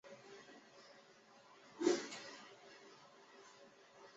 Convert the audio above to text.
官至霍州刺史。